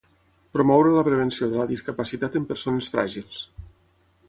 Promoure la prevenció de la discapacitat en persones fràgils.